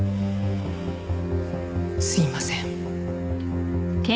すいません。